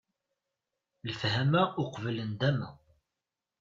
Lefhama uqbel nndama!